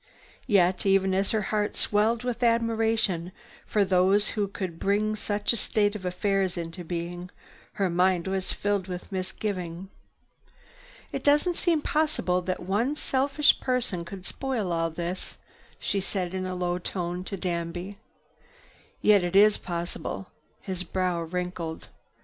Yet, even as her heart swelled with admiration for those who could bring such a state of affairs into being, her mind was filled with misgiving. "It doesn't seem possible that one selfish person could spoil all this," she said in a low tone to Danby. "Yet it is possible." His brow wrinkled.